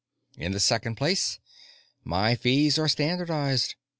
"In the second place, my fees are standardized.